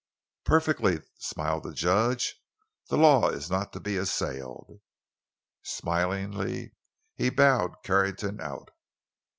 "Perfectly," smiled the judge. "The law is not to be assailed." Smilingly he bowed Carrington out.